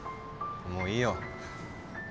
もういいよ。